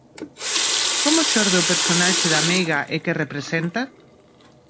Como xorde o personaxe da meiga e que representa?